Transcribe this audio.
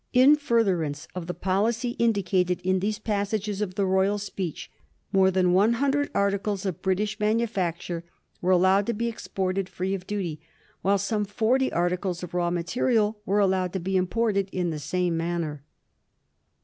In furtherance of the policy indicated in these passages of the royal speech, more than one hundred articles of British manufacture were allowed to be exported fi ee of duty, while some forty articles of raw material were allowed to be imported in the same manner.